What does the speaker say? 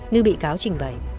ngư bị cáo chỉnh vậy